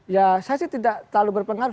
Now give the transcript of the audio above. ya saya sih tidak terlalu berpengaruh